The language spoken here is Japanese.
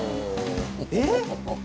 えっ